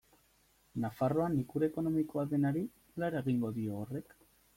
Nafarroan ikur ekonomikoa denari nola eragingo dio horrek?